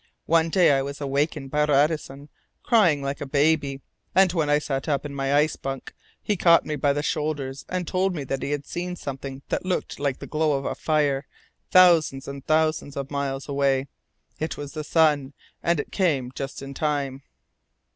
One day I was wakened by Radisson crying like a baby, and when I sat up in my ice bunk he caught me by the shoulders and told me that he had seen something that looked like the glow of a fire thousands and thousands of miles away. It was the sun, and it came just in time."